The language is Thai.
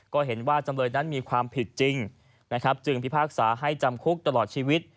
ก็เห็นว่าจำเลยนั้นมีความผิดจริงนะครับจึงพิพากษาให้จำคุกตลอดชีวิต